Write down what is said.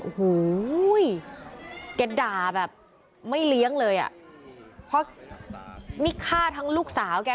โอ้โหแกด่าแบบไม่เลี้ยงเลยอ่ะเพราะนี่ฆ่าทั้งลูกสาวแก